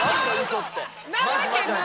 んなわけない。